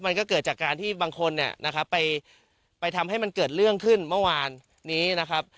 มันก็เกิดจากการที่บางคนเนี่ยนะครับไปทำให้มันเกิดเรื่องขึ้นเมื่อวานนี้นะครับ